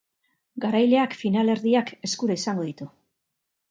Garaileak finalerdiak eskura izango ditu.